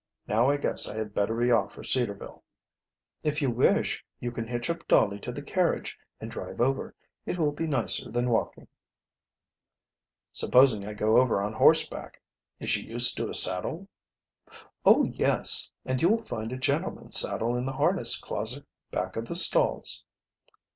Now I guess I had better be off for Cedarville." "If you wish, you can hitch up Dolly to the carriage and drive over. It will be nicer than walking." "Supposing I go over on horseback? Is she used to a saddle?" "Oh, yes, and you will find a gentleman's saddle in the harness closet back of the stalls."